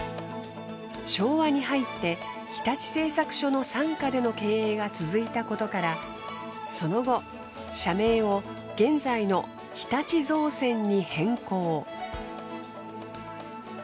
昭和に入って日立製作所の傘下での経営が続いたことからその後社名を現在の日立造船に変更。